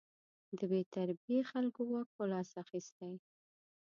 د بې تربیې خلکو واک په لاس کې اخیستی.